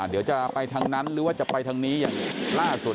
เดี๋ยวจะไปทางนั้นหรือว่าจะไปทางนี้อย่างล่าสุด